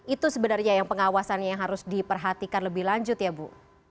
itu sebenarnya yang pengawasannya yang harus diperhatikan lebih lanjut ya bu